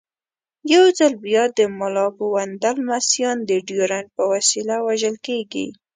یو ځل بیا د ملا پوونده لمسیان د ډیورنډ په وسیله وژل کېږي.